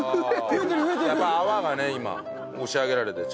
やっぱ泡がね今押し上げられて。